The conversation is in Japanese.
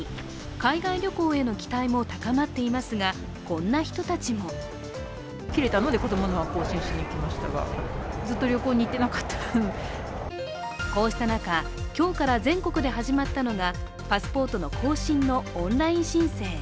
海外旅行への期待も高まっていますが、こんな人たちもこうした中、今日から全国で始まったのがパスポートの更新のオンライン申請。